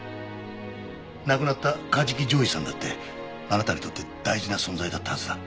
亡くなった梶木譲士さんだってあなたにとって大事な存在だったはずだ。